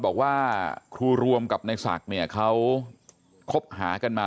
บอกว่าครูรวมกับในศักดิ์เนี่ยเขาคบหากันมา